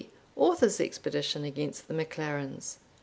Author's Expedition against the MacLarens.